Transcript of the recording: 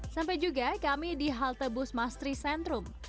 sampai juga kami di halte bus mastri centrum